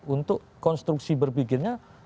untuk konstruksi berpikirnya